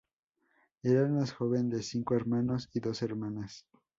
Era el más joven de cinco hermanos y dos hermanas.